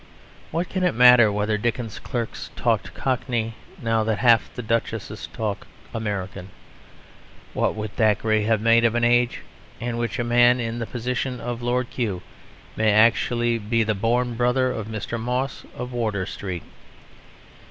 What can it matter whether Dickens's clerks talked cockney now that half the duchesses talk American? What would Thackeray have made of an age in which a man in the position of Lord Kew may actually be the born brother of Mr. Moss of Wardour Street?